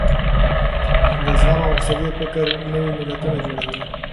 د زغم او حوصلې فکر نوي ملتونه جوړوي.